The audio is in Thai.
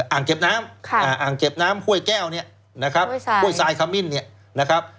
อ่างเก็บน้ำอ่างเก็บน้ำห้วยแก้วเนี่ยนะครับห้วยทรายขมิ้นเนี่ยนะครับ